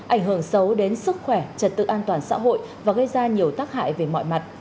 ảnh hưởng xấu đến sức khỏe trật tự an toàn xã hội và gây ra nhiều tác hại về mọi mặt